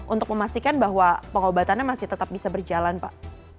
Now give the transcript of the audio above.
untuk memastikan bahwa pengobatannya masih tetap bisa berjalan pak